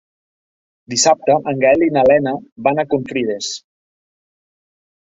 Dissabte en Gaël i na Lena van a Confrides.